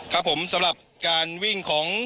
ครับผมสำหรับการวิ่งของ